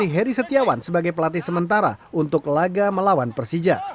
dan juga pelatih heri setiawan sebagai pelatih sementara untuk laga melawan persija